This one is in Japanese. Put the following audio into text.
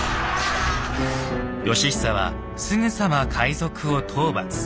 義久はすぐさま海賊を討伐。